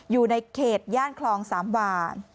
อยู่ในเขตย่านคลองสามวาน